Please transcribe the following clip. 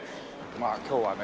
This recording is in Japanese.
まあ今日はね